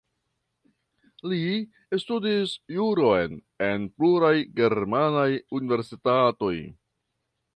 Li studis juron en pluraj germanaj universitatoj.